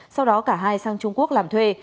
sau đó cả hai sang trung quốc làm thuê